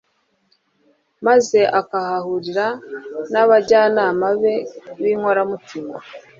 maze akahahurira n'abajyanama be b'inkoramutima